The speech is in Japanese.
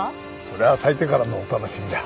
それは咲いてからのお楽しみだ。